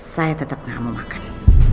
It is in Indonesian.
saya tetap gak mau makan